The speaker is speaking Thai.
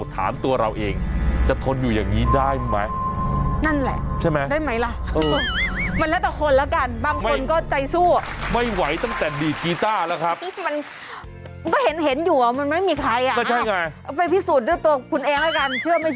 บางคนบอกแล้วพี่พี่ทนอยู่ได้ไงเนี่ย